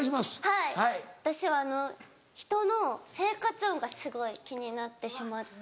はい私は人の生活音がすごい気になってしまって。